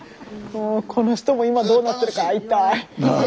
もうこの人も今どうなってるか会いたい！